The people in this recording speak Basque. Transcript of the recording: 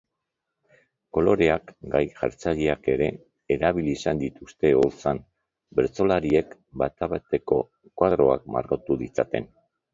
Koloreak gai-jartzaileek ere erabili izan dituzte oholtzan, bertsolariek bapateko koadroak margotu ditzaten.